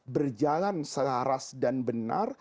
berjalan selaras dan benar